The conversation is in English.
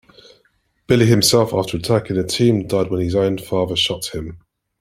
Billy himself, after attacking the team, died when his own father shot him.